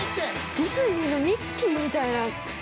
ディズニーのミッキーみたいな。